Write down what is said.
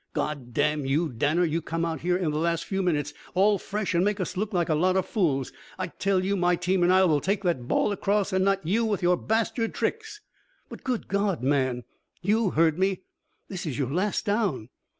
"God damn you, Danner, you come out here in the last few minutes all fresh and make us look like a lot of fools. I tell you, my team and I will take that ball across and not you with your bastard tricks." "But, good God, man " "You heard me." "This is your last down."